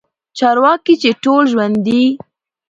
چارواکي چې ټول ژوندي